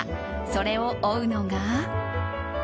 それを追うのが。